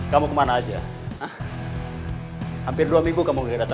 gue kan udah berusaha berusaha